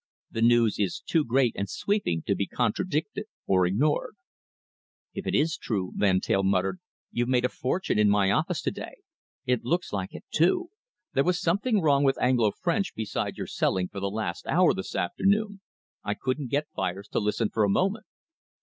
The news is too great and sweeping to be contradicted or ignored." "If it's true," Van Teyl muttered, "you've made a fortune in my office to day. It looks like it, too. There was something wrong with Anglo French beside your selling for the last hour this afternoon. I couldn't get buyers to listen for a moment."